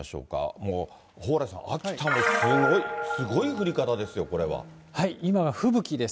もう、蓬莱さん、秋田もすごい、すごい降り方ですよ、これは。